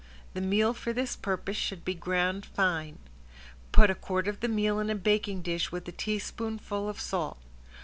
The meal for this purpose should be ground fine. Put a quart of the meal in a baking dish with a teaspoonful of salt.